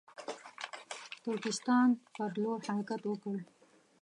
ترکستان پر لور حرکت وکړ.